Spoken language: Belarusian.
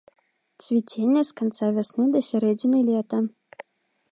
Цвіценне з канца вясны да сярэдзіны лета.